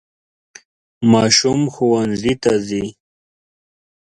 ماشوم ښوونځي ته ځي.